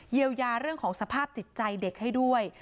เยียวยาเรื่องของสภาพจิตใจเด็กให้ด้วย